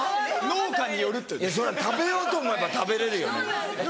・農家によるって・それは食べようと思えば食べれるよね。